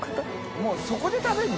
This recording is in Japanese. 發そこで食べるの？